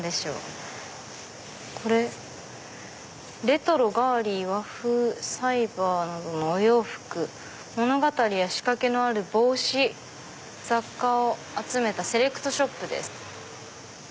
「レトロガーリー和風サイバー等のお洋服物語や仕掛けのある帽子雑貨を集めたセレクトショップです」。